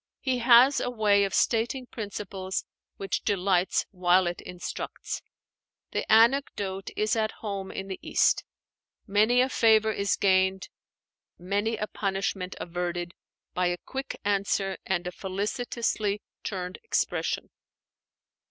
He has a way of stating principles which delights while it instructs. The anecdote is at home in the East: many a favor is gained, many a punishment averted, by a quick answer and a felicitously turned expression.